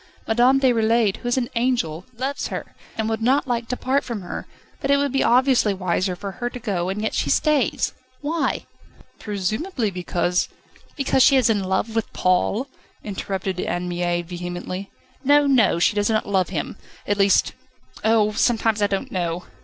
Madame Déroulède, who is an angel, loves her, and would not like to part from her, but it would be obviously wiser for her to go, and yet she stays. Why?" "Presumably because ..." "Because she is in love with Paul?" interrupted Anne Mie vehemently. "No, no; she does not love him at least Oh! sometimes I don't know.